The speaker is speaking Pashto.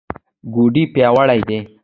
ګوډې پیاوړې دي.